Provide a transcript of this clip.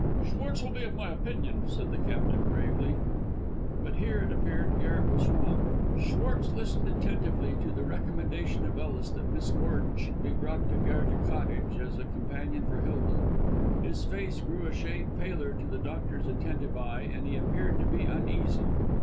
"Schwartz will be of my opinion," said the Captain, gravely. But here, it appeared, Garret was wrong. Schwartz listened attentively to the recommendation of Ellis that Miss Gordon should be brought to Goethe Cottage as a companion for Hilda. His face grew a shade paler to the doctor's attentive eye, and he appeared to be uneasy.